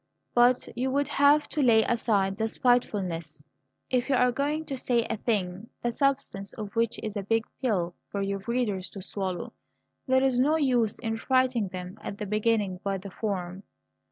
But you would have to lay aside the spitefulness. If you are going to say a thing the substance of which is a big pill for your readers to swallow, there is no use in frightening them at the beginning by the form."